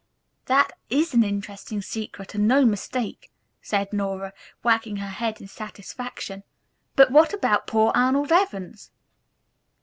"This is an interesting secret and no mistake," said Nora, wagging her head with satisfaction, "but what about poor Arnold Evans?"